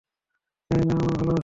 হ্যাঁ, না, আমরা ভালো আছি।